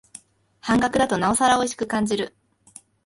半額だとなおさらおいしく感じる